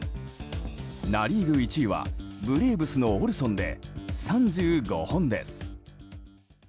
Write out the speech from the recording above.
ナ・リーグ１位はブレーブスのオルソンで３５本です。